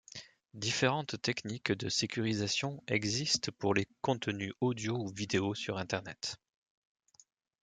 Différentes techniques de sécurisation existent pour les contenus audio ou vidéo sur Internet.